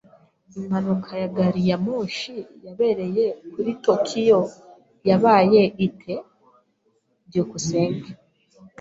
Impanuka ya gari ya moshi yabereye kuri Tokiyo yabaye ite? byukusenge